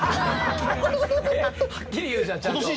はっきり言うじゃんちゃんと。